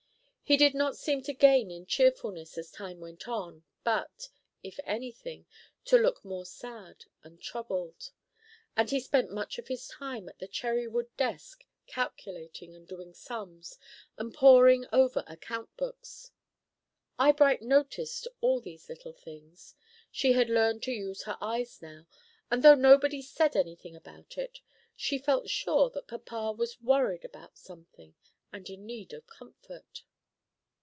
He did not seem to gain in cheerfulness as time went on, but, if any thing, to look more sad and troubled; and he spent much of his time at the cherry wood desk calculating and doing sums and poring over account books. Eyebright noticed all these little things, she had learned to use her eyes now, and though nobody said any thing about it, she felt sure that papa was worried about something, and in need of comfort.